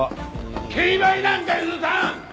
競売なんか許さん！！